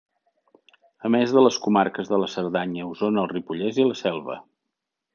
A més de les comarques de la Cerdanya, Osona, el Ripollès i la Selva.